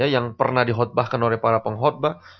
yang pernah dihotbahkan oleh para penghotbah